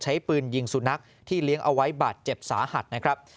ใช้ปืนยิงสุนัขที่เลี้ยงเอาไว้บาดเจ็บสาหัสนะครับ